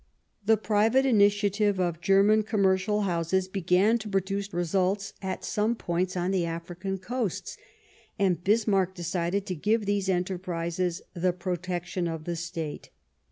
The private initiative of German commercial houses began to produce results at some points on the African coasts, and Bismarck decided to give these enterprises the protection of the State.